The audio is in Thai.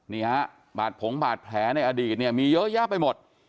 นี่ฮะบาดผงบาดแผลในอดีตเนี่ยมีเยอะแยะไปหมด